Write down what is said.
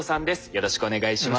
よろしくお願いします。